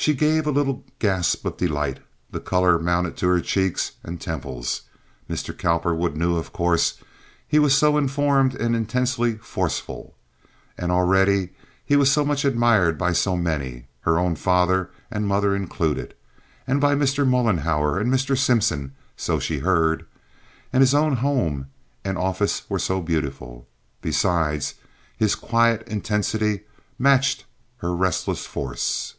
She gave a little gasp of delight. The color mounted to her cheeks and temples. Mr. Cowperwood knew of course. He was so informed and intensely forceful. And already he was so much admired by so many, her own father and mother included, and by Mr. Mollenhauer and Mr. Simpson, so she heard. And his own home and office were so beautiful. Besides, his quiet intensity matched her restless force.